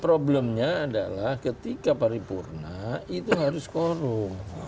problemnya adalah ketika paripurna itu harus korum